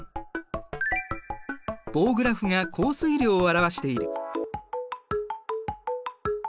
棒グラフが降水量を表している。